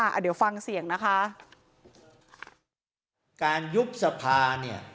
เดี๋ยวฟังเสียงนะคะการยุบสภาเนี่ย